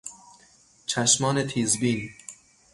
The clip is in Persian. چشمان تیزبین